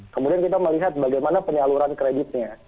kemudian kita melihat bagaimana penyaluran kreditnya